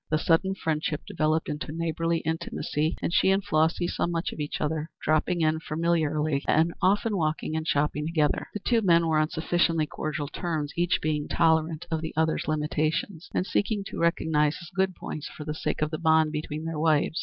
The sudden friendship developed into neighborly intimacy, and she and Flossy saw much of each other, dropping in familiarly, and often walking and shopping together. The two men were on sufficiently cordial terms, each being tolerant of the other's limitations, and seeking to recognize his good points for the sake of the bond between their wives.